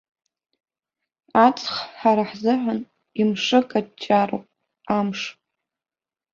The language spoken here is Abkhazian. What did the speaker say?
Аҵх ҳара ҳзыҳәан имшы каҷҷароуп, амш.